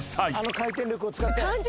あの回転力を使って。